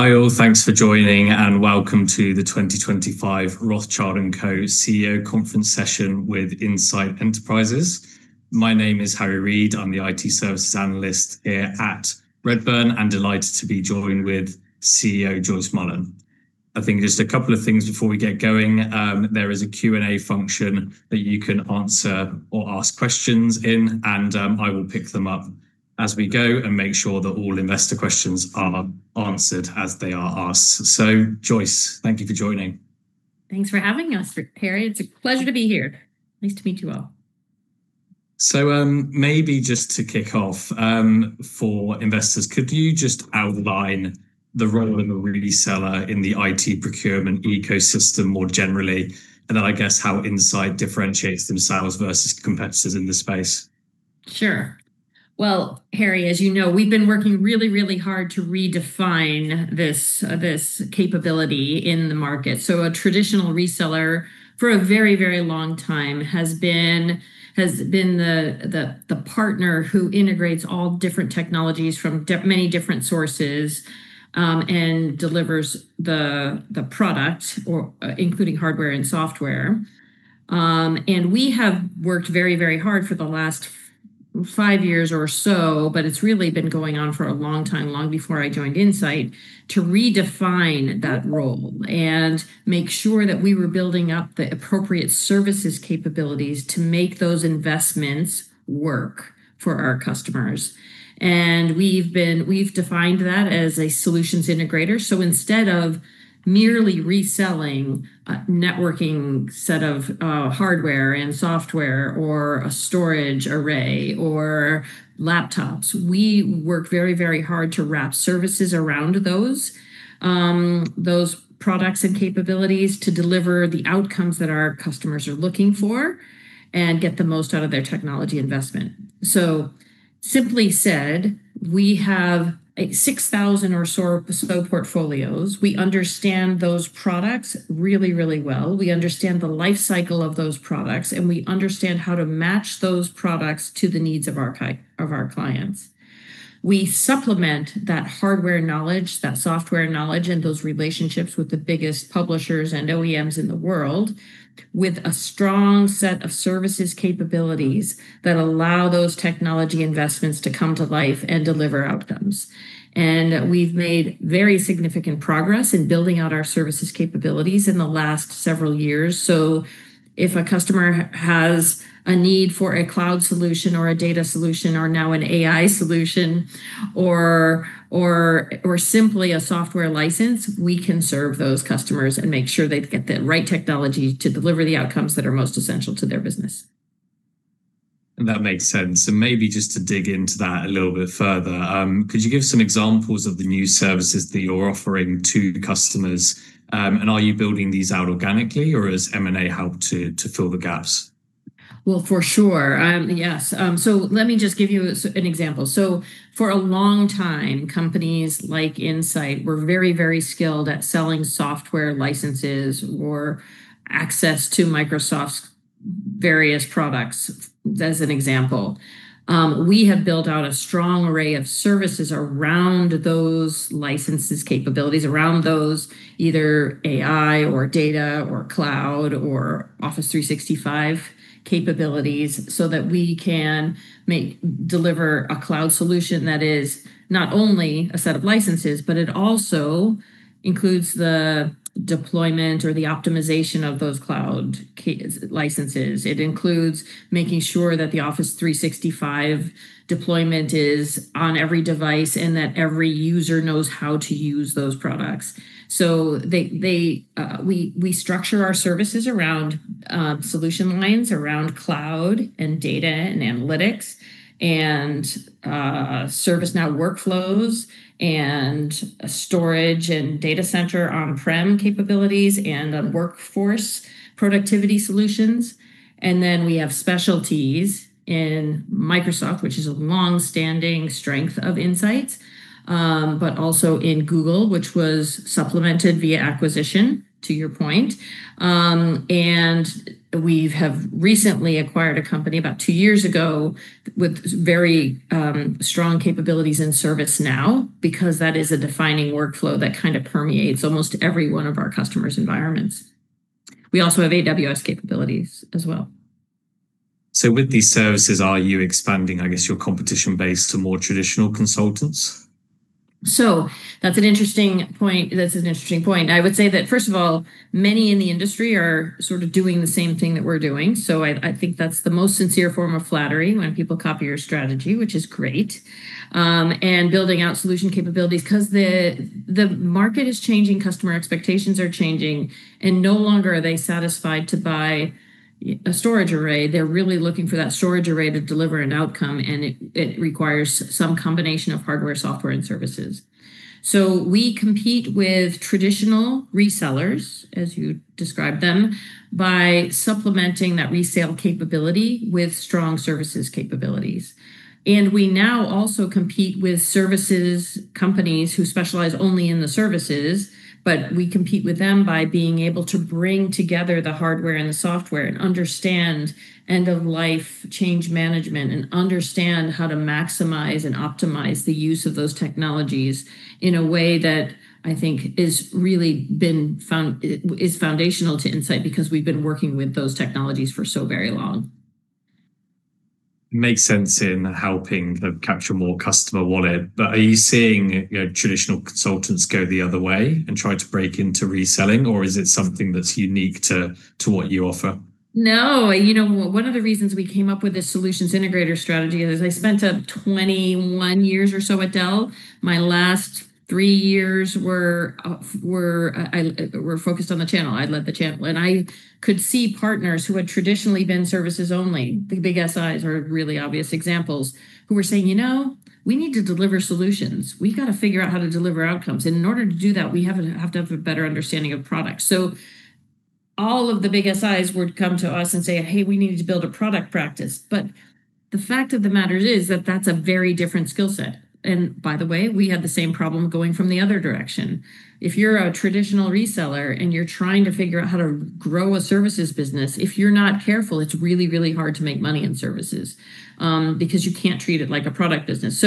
Hi, all. Thanks for joining, and welcome to the 2025 Rothschild & Co CEO conference session with Insight Enterprises. My name is Harry Read. I'm the IT Services Analyst here at Redburn and delighted to be joined with CEO Joyce Mullen. I think just a couple of things before we get going. There is a Q&A function that you can answer or ask questions in, and I will pick them up as we go and make sure that all investor questions are answered as they are asked. Joyce, thank you for joining. Thanks for having us, Harry. It's a pleasure to be here. Nice to meet you all. Maybe just to kick off for investors, could you just outline the role of a reseller in the IT procurement ecosystem more generally, and then I guess how Insight differentiates themselves versus competitors in the space? Sure. Harry, as you know, we've been working really, really hard to redefine this capability in the market. A traditional reseller for a very, very long time has been the partner who integrates all different technologies from many different sources and delivers the product, including hardware and software. We have worked very, very hard for the last five years or so, but it's really been going on for a long time, long before I joined Insight, to redefine that role and make sure that we were building up the appropriate services capabilities to make those investments work for our customers. We've defined that as a solutions integrator. Instead of merely reselling a networking set of hardware and software or a storage array or laptops, we work very, very hard to wrap services around those products and capabilities to deliver the outcomes that our customers are looking for and get the most out of their technology investment. Simply said, we have 6,000 or so portfolios. We understand those products really, really well. We understand the lifecycle of those products, and we understand how to match those products to the needs of our clients. We supplement that hardware knowledge, that software knowledge, and those relationships with the biggest publishers and OEMs in the world with a strong set of services capabilities that allow those technology investments to come to life and deliver outcomes. We have made very significant progress in building out our services capabilities in the last several years. If a customer has a need for a cloud solution or a data solution or now an AI solution or simply a software license, we can serve those customers and make sure they get the right technology to deliver the outcomes that are most essential to their business. That makes sense. Maybe just to dig into that a little bit further, could you give some examples of the new services that you're offering to customers? Are you building these out organically, or is M&A help to fill the gaps? Yes. Let me just give you an example. For a long time, companies like Insight were very, very skilled at selling software licenses or access to Microsoft's various products, as an example. We have built out a strong array of services around those licenses capabilities, around those either AI or data or cloud or Office 365 capabilities so that we can deliver a cloud solution that is not only a set of licenses, but it also includes the deployment or the optimization of those cloud licenses. It includes making sure that the Office 365 deployment is on every device and that every user knows how to use those products. We structure our services around solution lines, around cloud and data and analytics and ServiceNow workflows and storage and data center on-prem capabilities and on workforce productivity solutions. We have specialties in Microsoft, which is a longstanding strength of Insight, but also in Google, which was supplemented via acquisition, to your point. We have recently acquired a company about two years ago with very strong capabilities in ServiceNow because that is a defining workflow that kind of permeates almost every one of our customers' environments. We also have AWS capabilities as well. With these services, are you expanding, I guess, your competition base to more traditional consultants? That's an interesting point. I would say that, first of all, many in the industry are sort of doing the same thing that we're doing. I think that's the most sincere form of flattery when people copy your strategy, which is great, and building out solution capabilities because the market is changing, customer expectations are changing, and no longer are they satisfied to buy a storage array. They're really looking for that storage array to deliver an outcome, and it requires some combination of hardware, software, and services. We compete with traditional resellers, as you described them, by supplementing that resale capability with strong services capabilities. We now also compete with services companies who specialize only in the services, but we compete with them by being able to bring together the hardware and the software and understand end-of-life change management and understand how to maximize and optimize the use of those technologies in a way that I think has really been foundational to Insight because we've been working with those technologies for so very long. Makes sense in helping capture more customer wallet. Are you seeing traditional consultants go the other way and try to break into reselling, or is it something that's unique to what you offer? No. You know, one of the reasons we came up with this solutions integrator strategy is I spent 21 years or so at Dell. My last three years were focused on the channel. I led the channel. I could see partners who had traditionally been services only, the big SIs are really obvious examples, who were saying, "You know, we need to deliver solutions. We got to figure out how to deliver outcomes. And in order to do that, we have to have a better understanding of products." So all of the big SIs would come to us and say, "Hey, we need to build a product practice." But the fact of the matter is that that's a very different skill set. By the way, we had the same problem going from the other direction. If you're a traditional reseller and you're trying to figure out how to grow a services business, if you're not careful, it's really, really hard to make money in services because you can't treat it like a product business.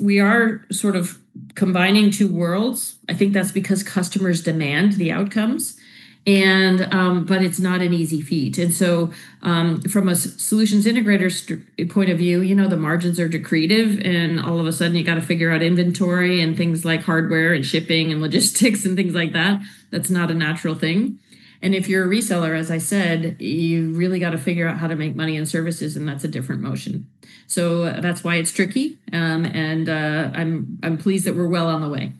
We are sort of combining two worlds. I think that's because customers demand the outcomes, but it's not an easy feat. From a solutions integrator point of view, you know the margins are decreative, and all of a sudden, you got to figure out inventory and things like hardware and shipping and logistics and things like that. That's not a natural thing. If you're a reseller, as I said, you really got to figure out how to make money in services, and that's a different motion. That's why it's tricky. I'm pleased that we're well on the way.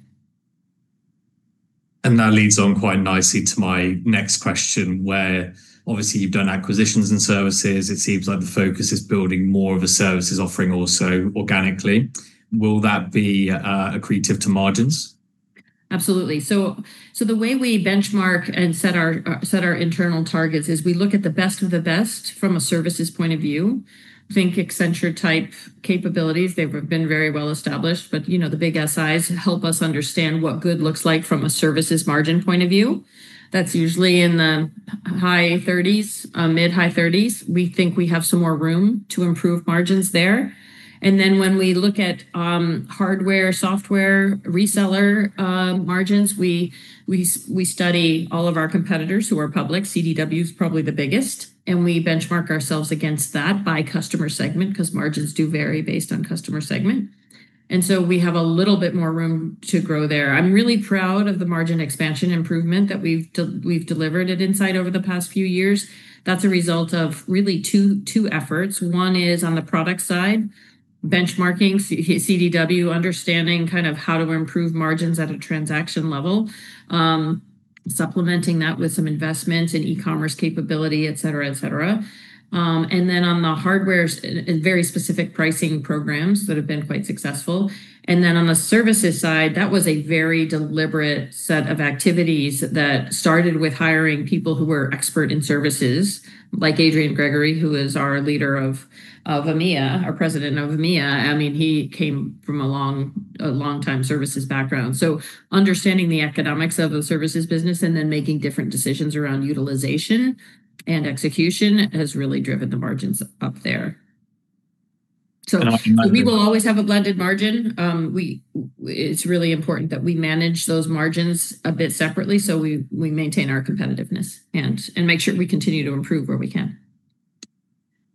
That leads on quite nicely to my next question, where obviously you've done acquisitions and services. It seems like the focus is building more of a services offering also organically. Will that be accretive to margins? Absolutely. The way we benchmark and set our internal targets is we look at the best of the best from a services point of view. Think Accenture-type capabilities. They've been very well established, but the big SIs help us understand what good looks like from a services margin point of view. That's usually in the high 30s, mid-high 30s. We think we have some more room to improve margins there. When we look at hardware, software, reseller margins, we study all of our competitors who are public. CDW is probably the biggest. We benchmark ourselves against that by customer segment because margins do vary based on customer segment. We have a little bit more room to grow there. I'm really proud of the margin expansion improvement that we've delivered at Insight over the past few years. That's a result of really two efforts. One is on the product side, benchmarking CDW, understanding kind of how to improve margins at a transaction level, supplementing that with some investments in e-commerce capability, et cetera, et cetera. On the hardware, very specific pricing programs that have been quite successful. On the services side, that was a very deliberate set of activities that started with hiring people who were expert in services, like Adrian Gregory, who is our leader of EMEA, our President of EMEA. I mean, he came from a long-time services background. Understanding the economics of the services business and then making different decisions around utilization and execution has really driven the margins up there. We will always have a blended margin. It's really important that we manage those margins a bit separately so we maintain our competitiveness and make sure we continue to improve where we can.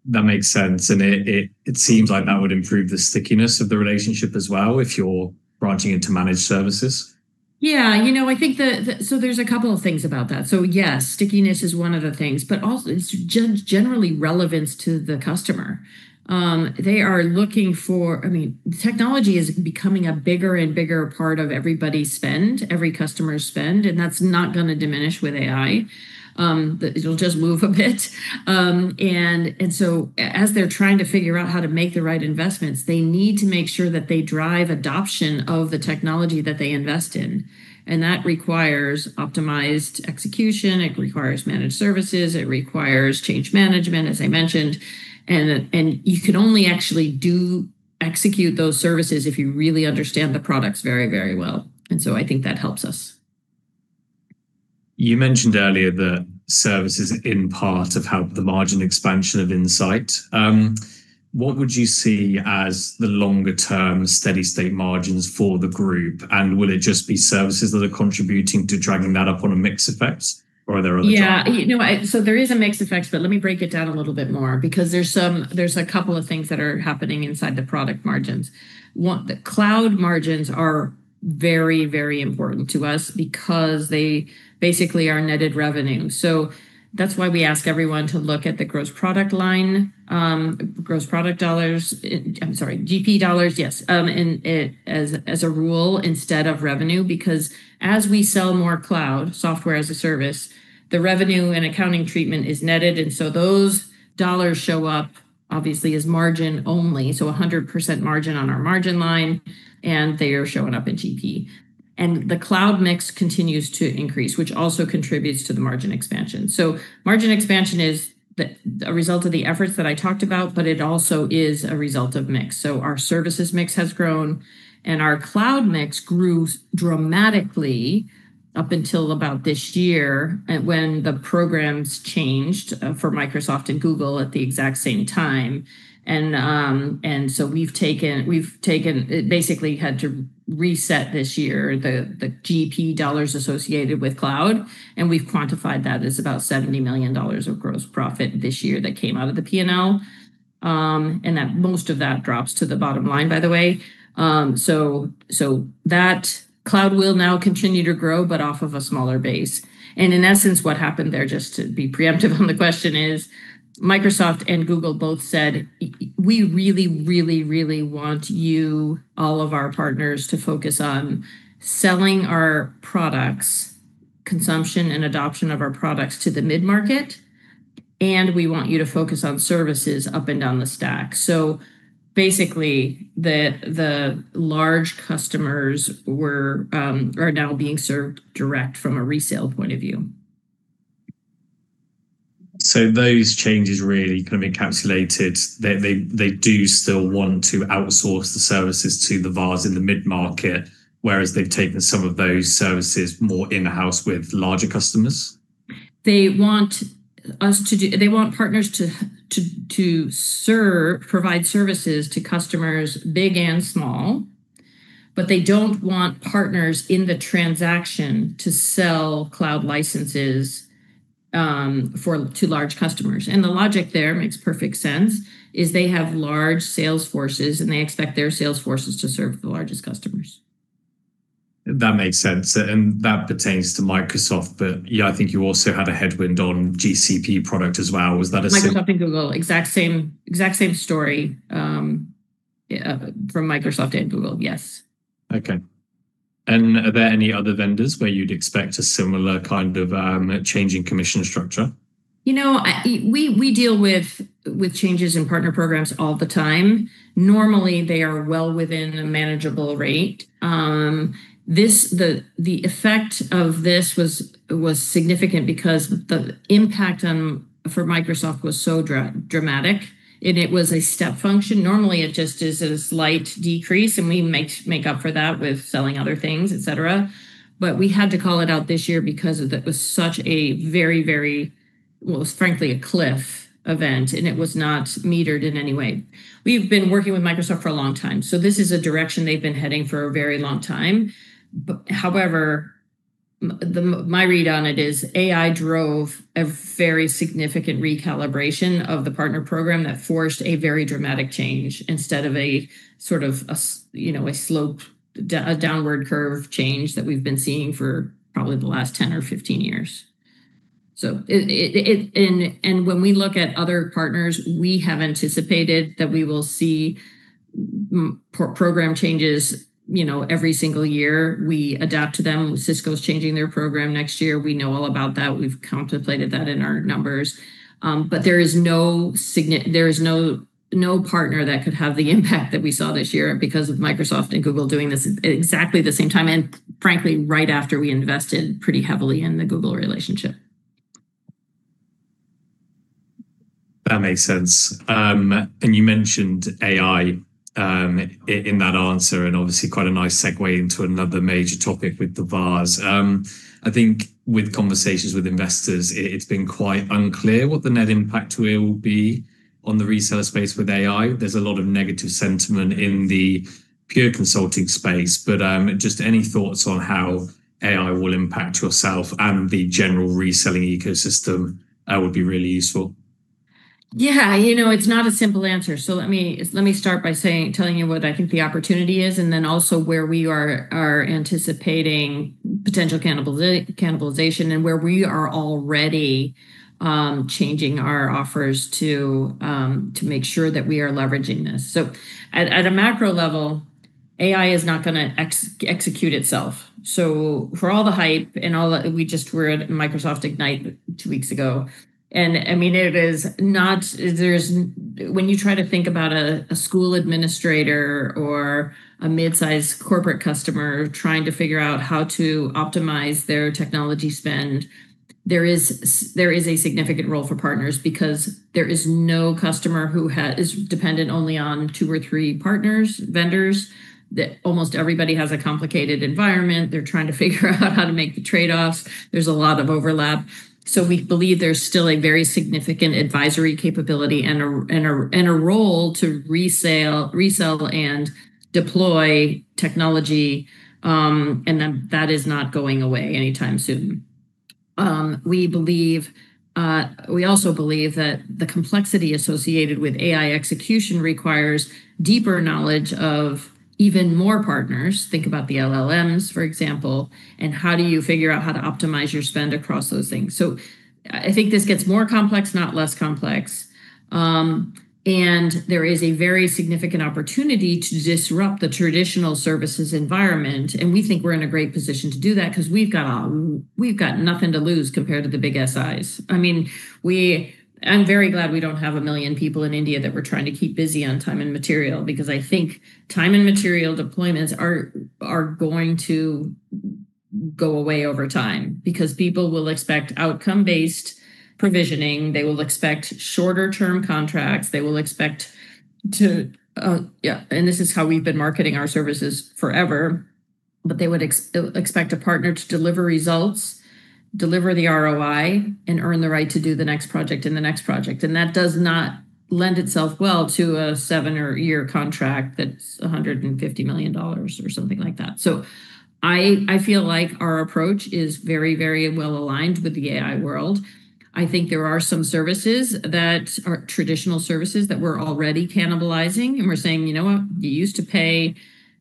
That makes sense. It seems like that would improve the stickiness of the relationship as well if you're branching into managed services. Yeah. You know, I think that so there's a couple of things about that. Yes, stickiness is one of the things, but also it's generally relevance to the customer. They are looking for, I mean, technology is becoming a bigger and bigger part of everybody's spend, every customer's spend, and that's not going to diminish with AI. It'll just move a bit. As they're trying to figure out how to make the right investments, they need to make sure that they drive adoption of the technology that they invest in. That requires optimized execution. It requires managed services. It requires change management, as I mentioned. You can only actually execute those services if you really understand the products very, very well. I think that helps us. You mentioned earlier that services are in part of the margin expansion of Insight. What would you see as the longer-term steady-state margins for the group? Will it just be services that are contributing to dragging that up on a mixed effect, or are there other targets? Yeah. You know what? There is a mixed effect, but let me break it down a little bit more because there's a couple of things that are happening inside the product margins. The cloud margins are very, very important to us because they basically are netted revenue. That's why we ask everyone to look at the gross product line, gross product dollars, I'm sorry, GP dollars, yes, as a rule instead of revenue, because as we sell more cloud software as a service, the revenue and accounting treatment is netted. Those dollars show up, obviously, as margin only, so 100% margin on our margin line, and they are showing up in GP. The cloud mix continues to increase, which also contributes to the margin expansion. Margin expansion is a result of the efforts that I talked about, but it also is a result of mix. Our services mix has grown, and our cloud mix grew dramatically up until about this year when the programs changed for Microsoft and Google at the exact same time. We have basically had to reset this year the GP dollars associated with cloud, and we have quantified that as about $70 million of gross profit this year that came out of the P&L. Most of that drops to the bottom line, by the way. That cloud will now continue to grow, but off of a smaller base. In essence, what happened there, just to be preemptive on the question, is Microsoft and Google both said, "We really, really, really want you, all of our partners, to focus on selling our products, consumption and adoption of our products to the mid-market, and we want you to focus on services up and down the stack." Basically, the large customers are now being served direct from a resale point of view. Those changes really kind of encapsulated they do still want to outsource the services to the VARs in the mid-market, whereas they've taken some of those services more in-house with larger customers? They want partners to provide services to customers big and small, but they do not want partners in the transaction to sell cloud licenses to large customers. The logic there makes perfect sense is they have large sales forces, and they expect their sales forces to serve the largest customers. That makes sense. That pertains to Microsoft, but I think you also had a headwind on GCP product as well. Was that a similar? Microsoft and Google, exact same story from Microsoft and Google, yes. Okay. Are there any other vendors where you'd expect a similar kind of changing commission structure? You know, we deal with changes in partner programs all the time. Normally, they are well within a manageable rate. The effect of this was significant because the impact for Microsoft was so dramatic, and it was a step function. Normally, it just is a slight decrease, and we make up for that with selling other things, et cetera. We had to call it out this year because it was such a very, very, well, frankly, a cliff event, and it was not metered in any way. We've been working with Microsoft for a long time. This is a direction they've been heading for a very long time. However, my read on it is AI drove a very significant recalibration of the partner program that forced a very dramatic change instead of a sort of a slope, a downward curve change that we've been seeing for probably the last 10 or 15 years. When we look at other partners, we have anticipated that we will see program changes every single year. We adapt to them. Cisco's changing their program next year. We know all about that. We've contemplated that in our numbers. There is no partner that could have the impact that we saw this year because of Microsoft and Google doing this at exactly the same time and, frankly, right after we invested pretty heavily in the Google relationship. That makes sense. You mentioned AI in that answer and obviously quite a nice segue into another major topic with the VARs. I think with conversations with investors, it's been quite unclear what the net impact will be on the reseller space with AI. There's a lot of negative sentiment in the pure consulting space. Just any thoughts on how AI will impact yourself and the general reselling ecosystem would be really useful. Yeah. You know, it's not a simple answer. Let me start by telling you what I think the opportunity is and then also where we are anticipating potential cannibalization and where we are already changing our offers to make sure that we are leveraging this. At a macro level, AI is not going to execute itself. For all the hype and all, we just were at Microsoft Ignite two weeks ago. I mean, it is not when you try to think about a school administrator or a mid-sized corporate customer trying to figure out how to optimize their technology spend, there is a significant role for partners because there is no customer who is dependent only on two or three partners, vendors. Almost everybody has a complicated environment. They're trying to figure out how to make the trade-offs. There's a lot of overlap. We believe there's still a very significant advisory capability and a role to resell and deploy technology. That is not going away anytime soon. We also believe that the complexity associated with AI execution requires deeper knowledge of even more partners. Think about the LLMs, for example, and how do you figure out how to optimize your spend across those things? I think this gets more complex, not less complex. There is a very significant opportunity to disrupt the traditional services environment. We think we're in a great position to do that because we've got nothing to lose compared to the big SIs. I mean, I'm very glad we don't have a million people in India that we're trying to keep busy on time and material because I think time and material deployments are going to go away over time because people will expect outcome-based provisioning. They will expect shorter-term contracts. They will expect to, yeah, and this is how we've been marketing our services forever. They would expect a partner to deliver results, deliver the ROI, and earn the right to do the next project and the next project. That does not lend itself well to a seven-year contract that's $150 million or something like that. I feel like our approach is very, very well aligned with the AI world. I think there are some services that are traditional services that we're already cannibalizing. We're saying, you know what? You used to pay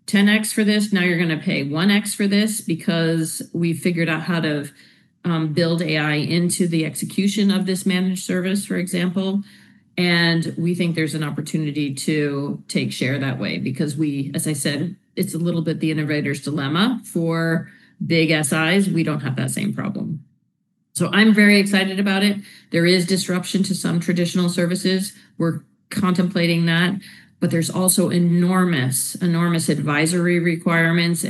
10x for this. Now you're going to pay 1x for this because we've figured out how to build AI into the execution of this managed service, for example. We think there's an opportunity to take share that way because we, as I said, it's a little bit the innovator's dilemma for big SIs. We don't have that same problem. I'm very excited about it. There is disruption to some traditional services. We're contemplating that. There are also enormous, enormous advisory requirements.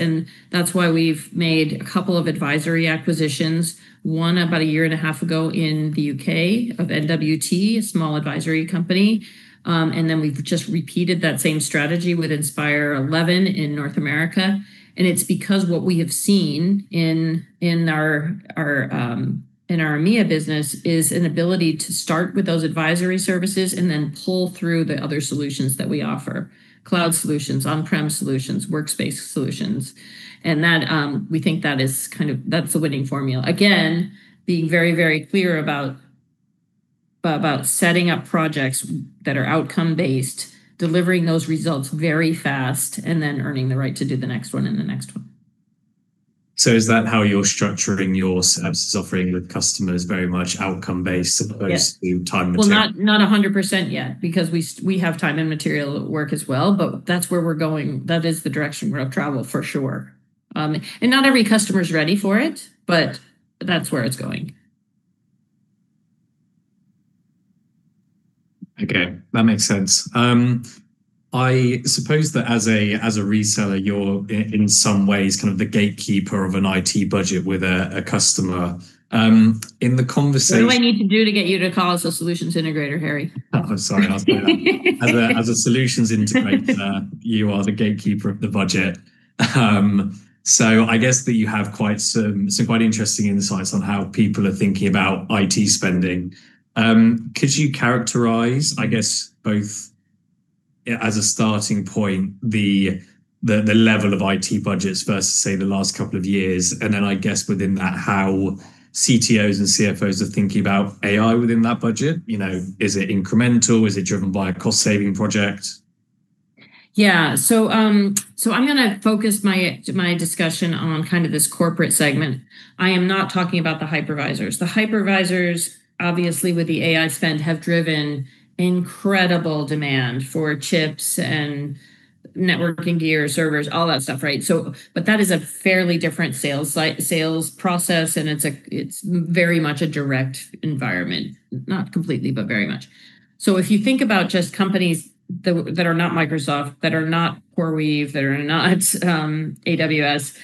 That's why we've made a couple of advisory acquisitions, one about a year and a half ago in the U.K. of NWT, a small advisory company. We've just repeated that same strategy with Inspire11 in North America. What we have seen in our EMEA business is an ability to start with those advisory services and then pull through the other solutions that we offer: cloud solutions, on-prem solutions, workspace solutions. We think that is kind of, that's the winning formula. Again, being very, very clear about setting up projects that are outcome-based, delivering those results very fast, and then earning the right to do the next one and the next one. Is that how you're structuring your services offering with customers, very much outcome-based as opposed to time and material? Not 100% yet because we have time and material work as well. That is the direction we're going to travel for sure. Not every customer is ready for it, but that's where it's going. Okay. That makes sense. I suppose that as a reseller, you're in some ways kind of the gatekeeper of an IT budget with a customer in the conversation. You know what I need to do to get you to call us a solutions integrator, Harry? I'm sorry. As a solutions integrator, you are the gatekeeper of the budget. I guess that you have quite some quite interesting insights on how people are thinking about IT spending. Could you characterize, I guess, both as a starting point, the level of IT budgets versus, say, the last couple of years? Then I guess within that, how CTOs and CFOs are thinking about AI within that budget? Is it incremental? Is it driven by a cost-saving project? Yeah. I am going to focus my discussion on kind of this corporate segment. I am not talking about the hyperscalers. The hyperscalers, obviously, with the AI spend have driven incredible demand for chips and networking gear, servers, all that stuff, right? That is a fairly different sales process, and it is very much a direct environment, not completely, but very much. If you think about just companies that are not Microsoft, that are not CoreWeave, that are not AWS,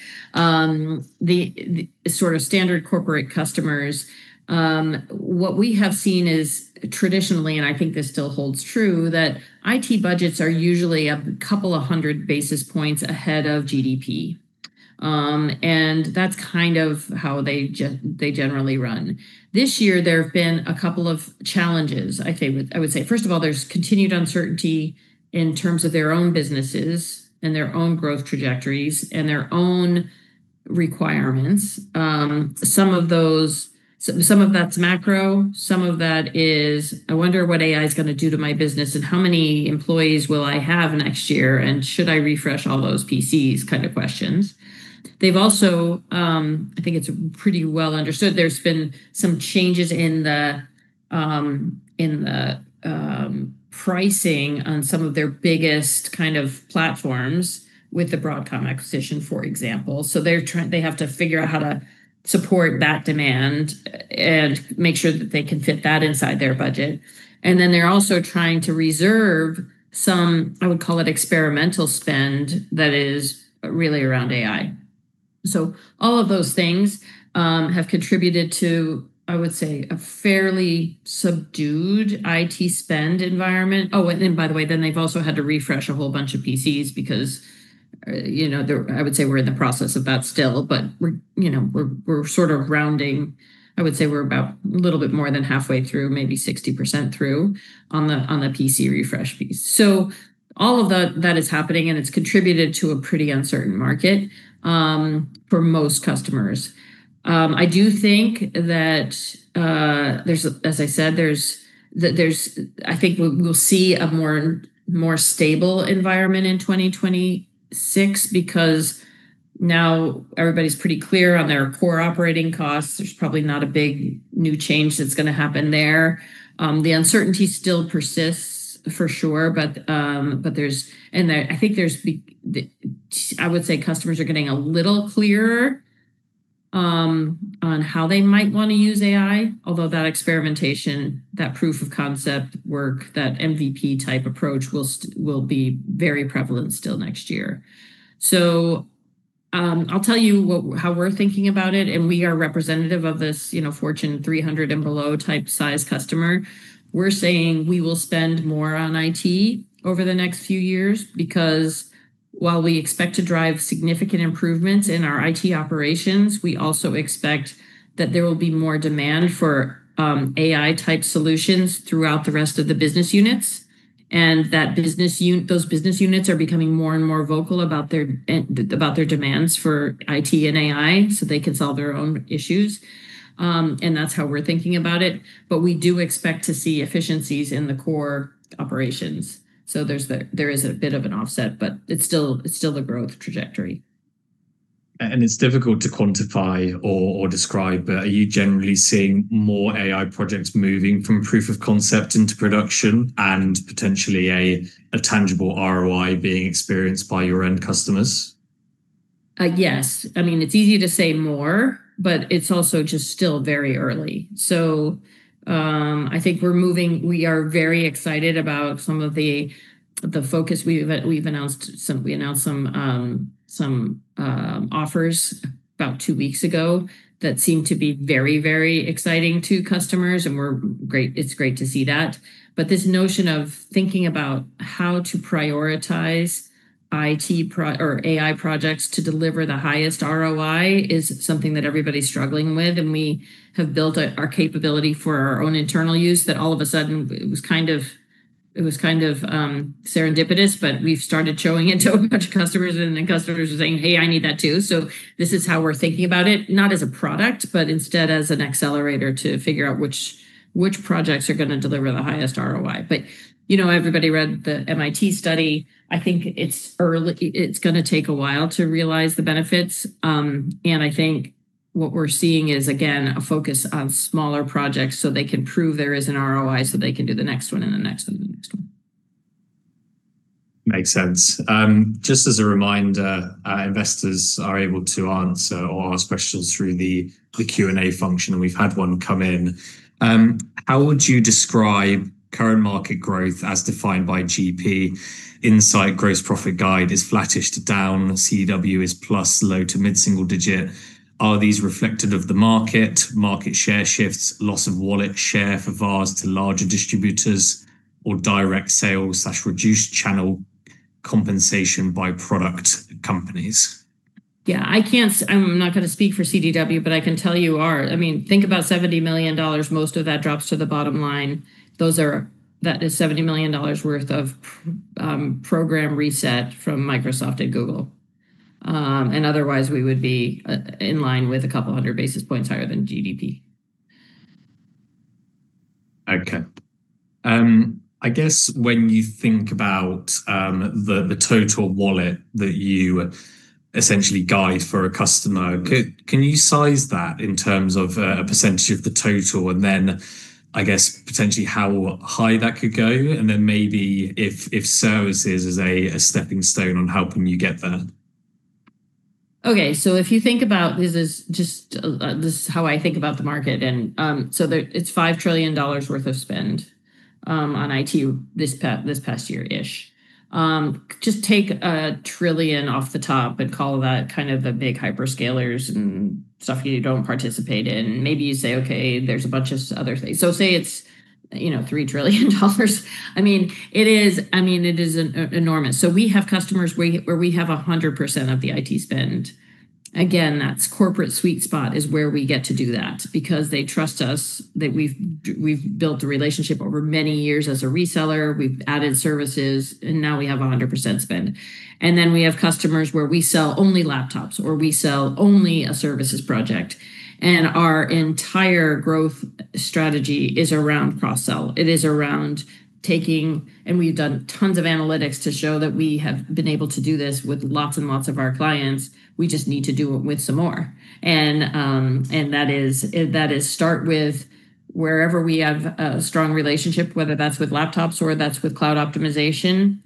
the sort of standard corporate customers, what we have seen is traditionally, and I think this still holds true, that IT budgets are usually a couple of hundred basis points ahead of GDP. That is kind of how they generally run. This year, there have been a couple of challenges. I would say, first of all, there's continued uncertainty in terms of their own businesses and their own growth trajectories and their own requirements. Some of that's macro. Some of that is, "I wonder what AI is going to do to my business, and how many employees will I have next year, and should I refresh all those PCs?" kind of questions. They've also, I think it's pretty well understood, there's been some changes in the pricing on some of their biggest kind of platforms with the Broadcom acquisition, for example. They have to figure out how to support that demand and make sure that they can fit that inside their budget. They are also trying to reserve some, I would call it, experimental spend that is really around AI. All of those things have contributed to, I would say, a fairly subdued IT spend environment. Oh, and by the way, then they've also had to refresh a whole bunch of PCs because I would say we're in the process of that still. We're sort of rounding, I would say we're about a little bit more than halfway through, maybe 60% through on the PC refresh piece. All of that is happening, and it's contributed to a pretty uncertain market for most customers. I do think that, as I said, I think we'll see a more stable environment in 2026 because now everybody's pretty clear on their core operating costs. There's probably not a big new change that's going to happen there. The uncertainty still persists for sure. I think I would say customers are getting a little clearer on how they might want to use AI, although that experimentation, that proof of concept work, that MVP-type approach will be very prevalent still next year. I'll tell you how we're thinking about it. We are representative of this Fortune 300 and below type size customer. We're saying we will spend more on IT over the next few years because while we expect to drive significant improvements in our IT operations, we also expect that there will be more demand for AI-type solutions throughout the rest of the business units. Those business units are becoming more and more vocal about their demands for IT and AI so they can solve their own issues. That's how we're thinking about it. We do expect to see efficiencies in the core operations. There is a bit of an offset, but it's still a growth trajectory. It's difficult to quantify or describe, but are you generally seeing more AI projects moving from proof of concept into production and potentially a tangible ROI being experienced by your end customers? Yes. I mean, it's easy to say more, but it's also just still very early. I think we're moving. We are very excited about some of the focus. We've announced some offers about two weeks ago that seem to be very, very exciting to customers. It's great to see that. This notion of thinking about how to prioritize IT or AI projects to deliver the highest ROI is something that everybody's struggling with. We have built our capability for our own internal use that all of a sudden it was kind of serendipitous, but we've started showing it to a bunch of customers. Customers are saying, "Hey, I need that too." This is how we're thinking about it, not as a product, but instead as an accelerator to figure out which projects are going to deliver the highest ROI. Everybody read the MIT study. I think it's going to take a while to realize the benefits. I think what we're seeing is, again, a focus on smaller projects so they can prove there is an ROI so they can do the next one and the next one and the next one. Makes sense. Just as a reminder, investors are able to answer or ask questions through the Q&A function. We've had one come in. How would you describe current market growth as defined by GP? Insight Gross Profit Guide is flattish to down. CW is plus low to mid-single digit. Are these reflective of the market, market share shifts, loss of wallet share for VARs to larger distributors, or direct sales/reduced channel compensation by product companies? Yeah. I'm not going to speak for CDW, but I can tell you are. I mean, think about $70 million. Most of that drops to the bottom line. That is $70 million worth of program reset from Microsoft and Google. Otherwise, we would be in line with a couple hundred basis points higher than GDP. Okay. I guess when you think about the total wallet that you essentially guide for a customer, can you size that in terms of a percentage of the total and then, I guess, potentially how high that could go? Maybe if services is a stepping stone on helping you get there. Okay. If you think about this, this is just how I think about the market. It is $5 trillion worth of spend on IT this past year-ish. Just take a trillion off the top and call that kind of the big hyperscalers and stuff you do not participate in. Maybe you say, "Okay, there is a bunch of other things." Say it is $3 trillion. I mean, it is enormous. We have customers where we have 100% of the IT spend. Again, that is corporate sweet spot is where we get to do that because they trust us, that we have built a relationship over many years as a reseller. We have added services, and now we have 100% spend. We have customers where we sell only laptops or we sell only a services project. Our entire growth strategy is around cross-sell. It is around taking, and we've done tons of analytics to show that we have been able to do this with lots and lots of our clients. We just need to do it with some more. That is start with wherever we have a strong relationship, whether that's with laptops or that's with cloud optimization,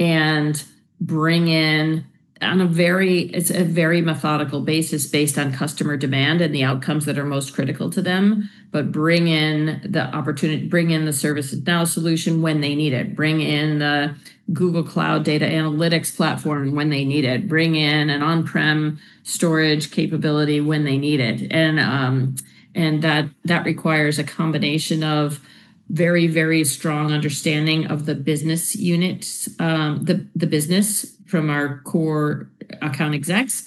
and bring in on a very methodical basis based on customer demand and the outcomes that are most critical to them, bring in the opportunity, bring in the ServiceNow solution when they need it, bring in the Google Cloud data analytics platform when they need it, bring in an on-prem storage capability when they need it. That requires a combination of very, very strong understanding of the business units, the business from our core account execs.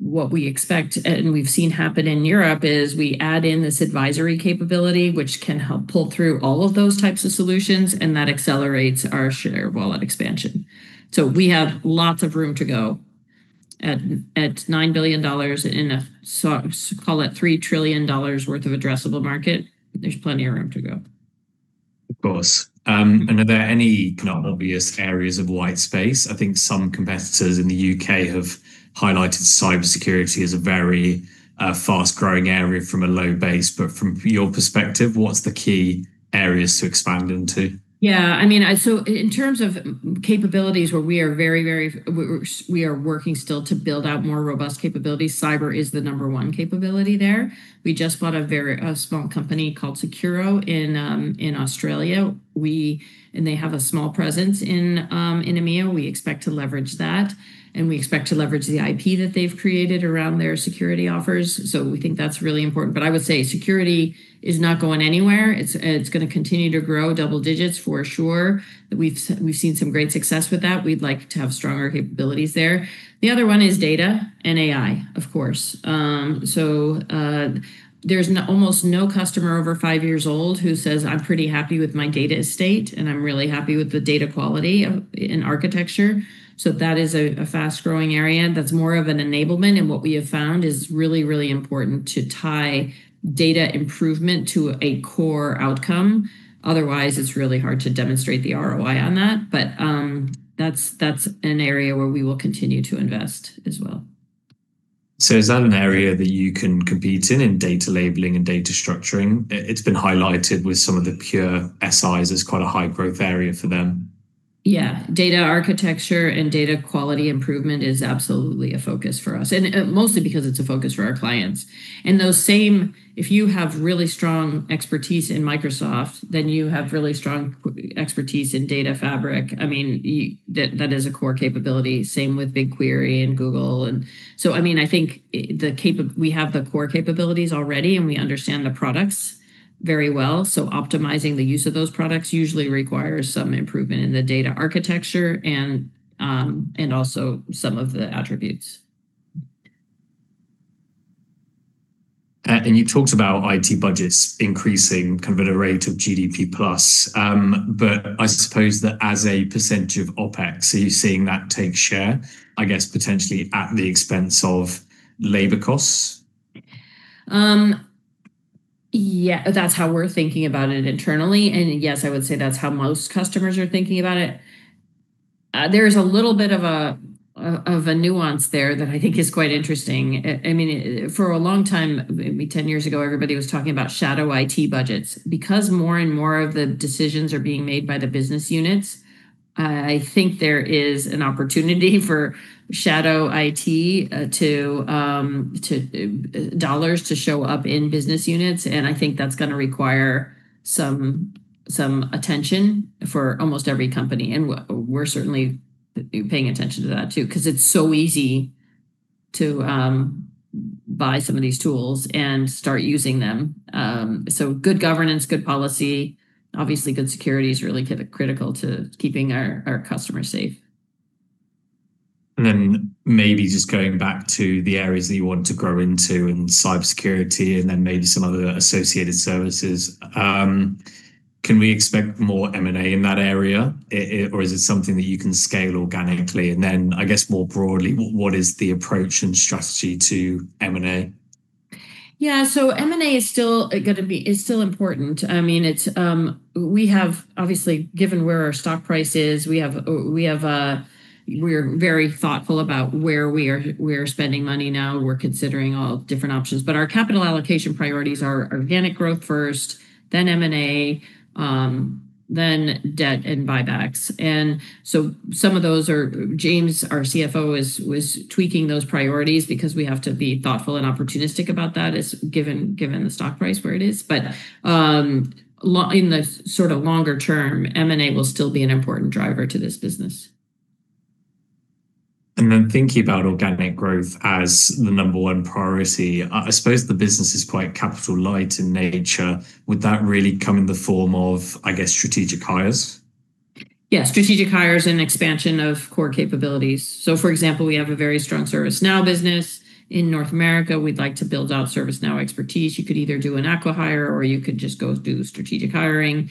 What we expect and we have seen happen in Europe is we add in this advisory capability, which can help pull through all of those types of solutions, and that accelerates our share wallet expansion. We have lots of room to go. At $9 billion and a, call it $3 trillion worth of addressable market, there is plenty of room to go. Of course. Are there any not obvious areas of white space? I think some competitors in the U.K. have highlighted cybersecurity as a very fast-growing area from a low base. From your perspective, what are the key areas to expand into? Yeah. I mean, in terms of capabilities where we are very, very we are working still to build out more robust capabilities. Cyber is the number one capability there. We just bought a small company called Securo in Australia. They have a small presence in EMEA. We expect to leverage that. We expect to leverage the IP that they've created around their security offers. We think that's really important. I would say security is not going anywhere. It's going to continue to grow double digits for sure. We've seen some great success with that. We'd like to have stronger capabilities there. The other one is data and AI, of course. There's almost no customer over five years old who says, "I'm pretty happy with my data estate, and I'm really happy with the data quality and architecture." That is a fast-growing area. That's more of an enablement. What we have found is really, really important to tie data improvement to a core outcome. Otherwise, it's really hard to demonstrate the ROI on that. That's an area where we will continue to invest as well. Is that an area that you can compete in, in data labeling and data structuring? It's been highlighted with some of the pure SIs. It's quite a high-growth area for them. Yeah. Data architecture and data quality improvement is absolutely a focus for us, and mostly because it's a focus for our clients. If you have really strong expertise in Microsoft, then you have really strong expertise in data fabric. I mean, that is a core capability. Same with BigQuery and Google. I think we have the core capabilities already, and we understand the products very well. Optimizing the use of those products usually requires some improvement in the data architecture and also some of the attributes. You talked about IT budgets increasing kind of at a rate of GDP plus. I suppose that as a percentage of OpEx, are you seeing that take share, I guess, potentially at the expense of labor costs? Yeah. That's how we're thinking about it internally. Yes, I would say that's how most customers are thinking about it. There is a little bit of a nuance there that I think is quite interesting. I mean, for a long time, maybe 10 years ago, everybody was talking about shadow IT budgets. Because more and more of the decisions are being made by the business units, I think there is an opportunity for shadow IT dollars to show up in business units. I think that's going to require some attention for almost every company. We're certainly paying attention to that too because it's so easy to buy some of these tools and start using them. Good governance, good policy, obviously good security is really critical to keeping our customers safe. Maybe just going back to the areas that you want to grow into and cybersecurity and then maybe some other associated services. Can we expect more M&A in that area, or is it something that you can scale organically? I guess, more broadly, what is the approach and strategy to M&A? Yeah. M&A is still important. I mean, we have, obviously, given where our stock price is, we are very thoughtful about where we are spending money now. We're considering all different options. Our capital allocation priorities are organic growth first, then M&A, then debt and buybacks. Some of those are James, our CFO, was tweaking those priorities because we have to be thoughtful and opportunistic about that given the stock price where it is. In the sort of longer term, M&A will still be an important driver to this business. Thinking about organic growth as the number one priority, I suppose the business is quite capital-light in nature. Would that really come in the form of, I guess, strategic hires? Yeah. Strategic hires and expansion of core capabilities. For example, we have a very strong ServiceNow business in North America. We'd like to build out ServiceNow expertise. You could either do an acquire or you could just go do strategic hiring.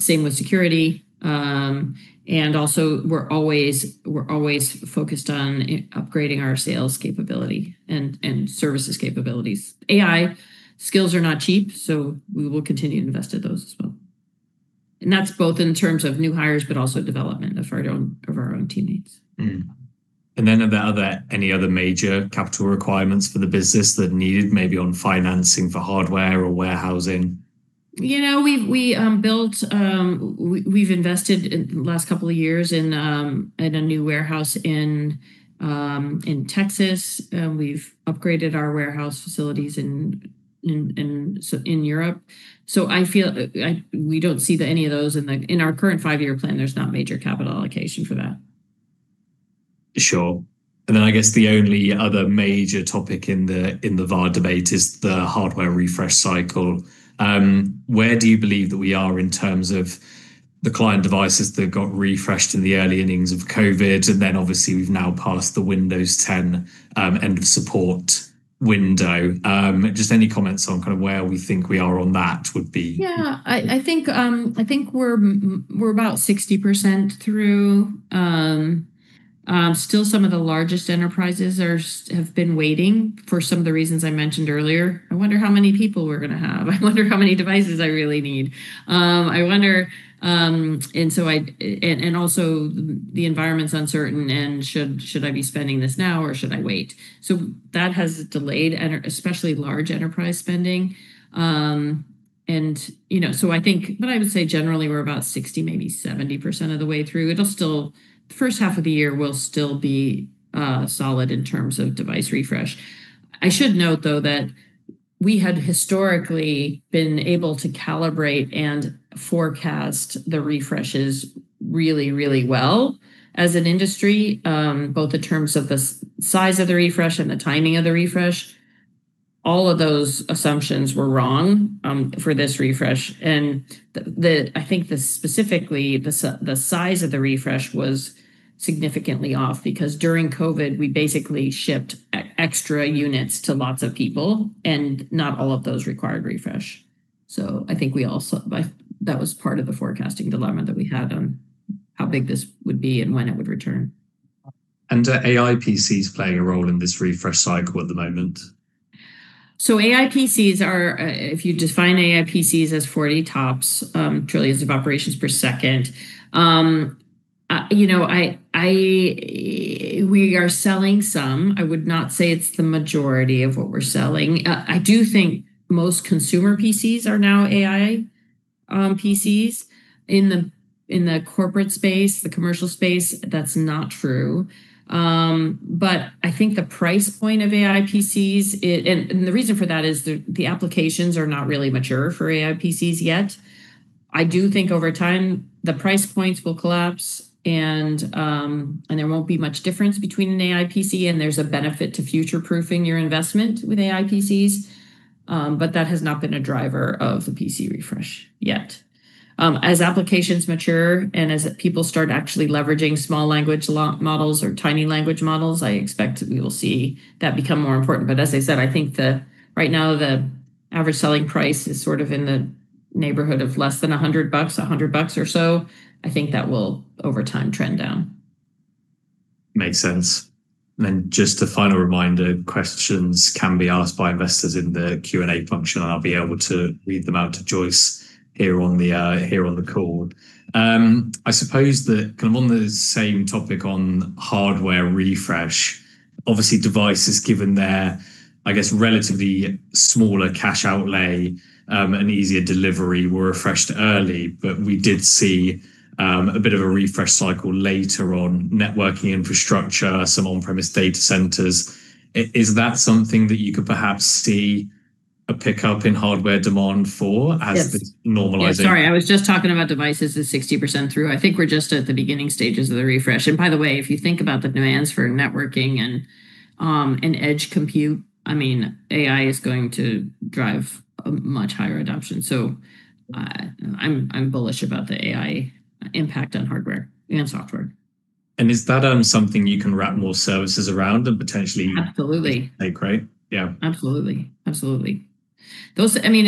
Same with security. Also, we're always focused on upgrading our sales capability and services capabilities. AI skills are not cheap, so we will continue to invest in those as well. That's both in terms of new hires, but also development of our own teammates. Are there any other major capital requirements for the business that are needed, maybe on financing for hardware or warehousing? We've invested in the last couple of years in a new warehouse in Texas. We've upgraded our warehouse facilities in Europe. I feel we don't see any of those in our current five-year plan. There's not major capital allocation for that. Sure. I guess the only other major topic in the VAR debate is the hardware refresh cycle. Where do you believe that we are in terms of the client devices that got refreshed in the early innings of COVID? We have now passed the Windows 10 end-of-support window. Just any comments on kind of where we think we are on that would be? Yeah. I think we're about 60% through. Still, some of the largest enterprises have been waiting for some of the reasons I mentioned earlier. I wonder how many people we're going to have. I wonder how many devices I really need. I wonder. Also, the environment's uncertain. Should I be spending this now, or should I wait? That has delayed, especially large enterprise spending. I would say generally, we're about 60%-70% of the way through. The first half of the year will still be solid in terms of device refresh. I should note, though, that we had historically been able to calibrate and forecast the refreshes really, really well as an industry, both in terms of the size of the refresh and the timing of the refresh. All of those assumptions were wrong for this refresh. I think specifically the size of the refresh was significantly off because during COVID, we basically shipped extra units to lots of people, and not all of those required refresh. I think that was part of the forecasting dilemma that we had on how big this would be and when it would return. Are AI PCs playing a role in this refresh cycle at the moment? AI PCs are, if you define AI PCs as 40 TOPS, trillions of operations per second, we are selling some. I would not say it's the majority of what we're selling. I do think most consumer PCs are now AI PCs. In the corporate space, the commercial space, that's not true. I think the price point of AI PCs, and the reason for that is the applications are not really mature for AI PCs yet. I do think over time, the price points will collapse, and there will not be much difference between an AI PC, and there is a benefit to future-proofing your investment with AI PCs. That has not been a driver of the PC refresh yet. As applications mature and as people start actually leveraging small language models or tiny language models, I expect we will see that become more important. As I said, I think right now the average selling price is sort of in the neighborhood of less than $100, $100 or so. I think that will, over time, trend down. Makes sense. Just a final reminder, questions can be asked by investors in the Q&A function, and I'll be able to read them out to Joyce here on the call. I suppose that kind of on the same topic on hardware refresh, obviously, devices, given their, I guess, relatively smaller cash outlay and easier delivery, were refreshed early, but we did see a bit of a refresh cycle later on networking infrastructure, some on-prem data centers. Is that something that you could perhaps see a pickup in hardware demand for as this normalization? Yeah. Sorry. I was just talking about devices at 60% through. I think we're just at the beginning stages of the refresh. By the way, if you think about the demands for networking and edge compute, I mean, AI is going to drive a much higher adoption. I am bullish about the AI impact on hardware and software. Is that something you can wrap more services around and potentially take away? Absolutely. Absolutely. I mean,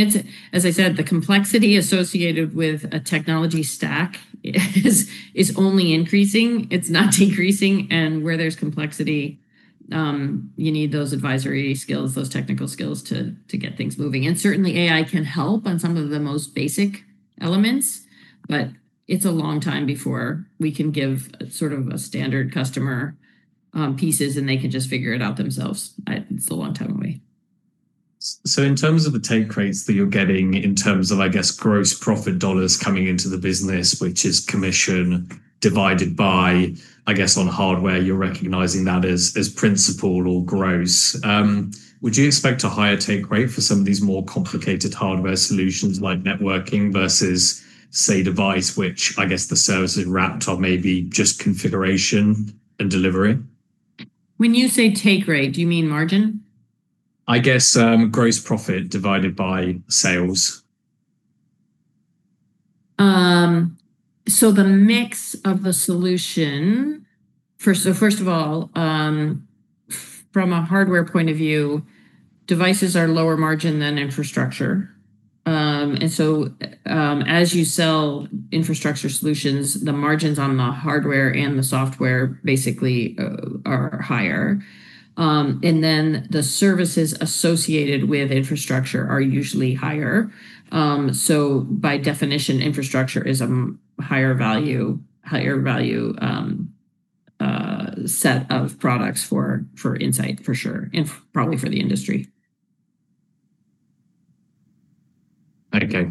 as I said, the complexity associated with a technology stack is only increasing. It's not decreasing. Where there's complexity, you need those advisory skills, those technical skills to get things moving. Certainly, AI can help on some of the most basic elements, but it's a long time before we can give sort of a standard customer pieces, and they can just figure it out themselves. It's a long time away. In terms of the take rates that you're getting in terms of, I guess, gross profit dollars coming into the business, which is commission divided by, I guess, on hardware, you're recognizing that as principal or gross. Would you expect a higher take rate for some of these more complicated hardware solutions like networking versus, say, device, which, I guess, the services wrapped are maybe just configuration and delivery? When you say take rate, do you mean margin? I guess gross profit divided by sales. The mix of the solution, first of all, from a hardware point of view, devices are lower margin than infrastructure. As you sell infrastructure solutions, the margins on the hardware and the software basically are higher. The services associated with infrastructure are usually higher. By definition, infrastructure is a higher value set of products for Insight, for sure, and probably for the industry. Okay.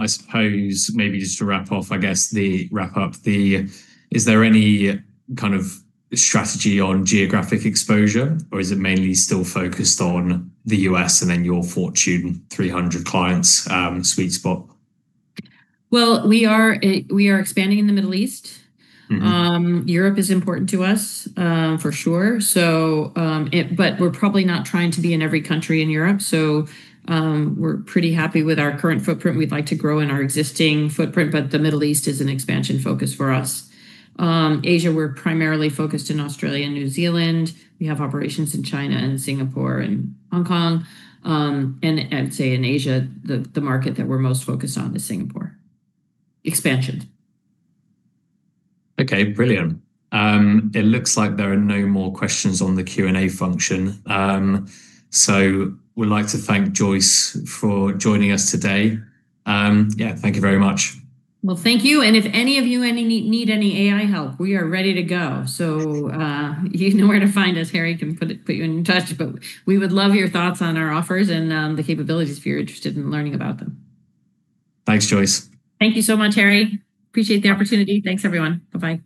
I suppose maybe just to wrap up, I guess, the wrap-up, is there any kind of strategy on geographic exposure, or is it mainly still focused on the U.S. and then your Fortune 300 clients' sweet spot? We are expanding in the Middle East. Europe is important to us, for sure. We're probably not trying to be in every country in Europe. We're pretty happy with our current footprint. We'd like to grow in our existing footprint, but the Middle East is an expansion focus for us. Asia, we're primarily focused in Australia and New Zealand. We have operations in China and Singapore and Hong Kong. I'd say in Asia, the market that we're most focused on is Singapore. Expansion. Okay. Brilliant. It looks like there are no more questions on the Q&A function. We'd like to thank Joyce for joining us today. Yeah. Thank you very much. Thank you. If any of you need any AI help, we are ready to go. You know where to find us. Harry can put you in touch. We would love your thoughts on our offers and the capabilities if you're interested in learning about them. Thanks, Joyce. Thank you so much, Harry. Appreciate the opportunity. Thanks, everyone. Bye-bye.